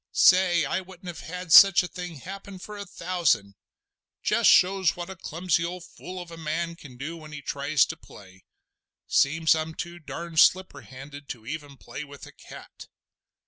Say! I wouldn't have had such a thing happen for a thousand! Just shows what a clumsy fool of a man can do when he tries to play! Seems I'm too darned slipperhanded to even play with a cat.